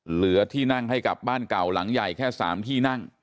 เหลือที่นั่งให้กับบ้านเก่าหลังใหญ่แค่๓ที่นั่ง